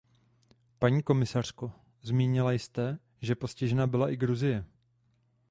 Paní komisařko, zmínila jste, že postižena byla i Gruzie.